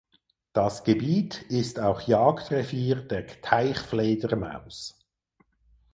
Das Gebiet ist auch Jagdrevier der Teichfledermaus.